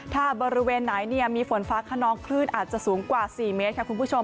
ถ้าบริเวณไหนมีฝนฟ้าขนองคลื่นอาจจะสูงกว่า๔เมตรค่ะคุณผู้ชม